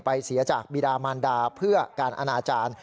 เสียจากบีดามันดาเพื่อการอนาจารย์